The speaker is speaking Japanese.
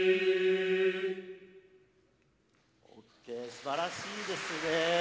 すばらしいですね。